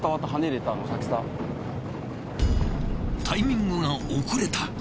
タイミングが遅れた。